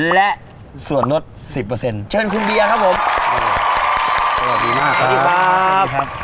และส่วนลดสิบเปอร์เซ็นเชิญคุณเบียร์ครับผมสวัสดีมากสวัสดีครับครับ